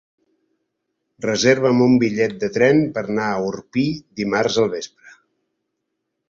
Reserva'm un bitllet de tren per anar a Orpí dimarts al vespre.